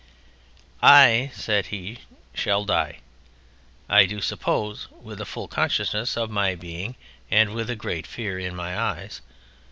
"I," said he, "shall die, I do suppose, with a full consciousness of my being and with a great fear in my eyes.